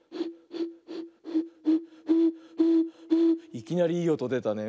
いきなりいいおとでたね。